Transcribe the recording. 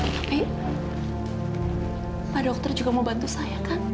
tapi pak dokter juga mau bantu saya kan